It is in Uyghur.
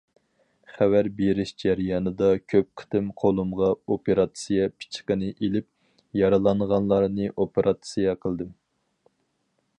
خەۋەر بېرىش جەريانىدا كۆپ قېتىم قولۇمغا ئوپېراتسىيە پىچىقىنى ئېلىپ يارىلانغانلارنى ئوپېراتسىيە قىلدىم.